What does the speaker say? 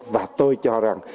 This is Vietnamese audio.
và tôi cho rằng